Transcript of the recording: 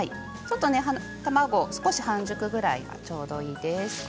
卵、少し半熟ぐらいがちょうどいいです。